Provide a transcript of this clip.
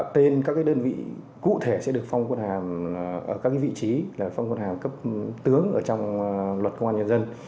tên các đơn vị cụ thể sẽ được phong hàm ở các vị trí là phong hàm cấp tướng trong luật công an nhân dân